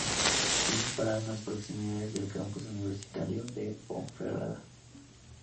Tiene parada en las proximidades del campus universitario de Ponferrada.